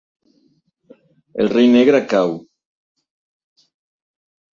El rei negre cau.